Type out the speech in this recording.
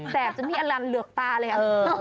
จนพี่อลันเหลือกตาเลย